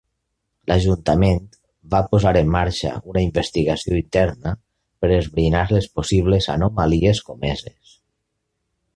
L'Ajuntament va posar en marxa una investigació interna per esbrinar les possibles anomalies comeses.